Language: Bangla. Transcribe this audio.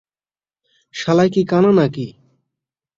শালায় কি কানা নাকি?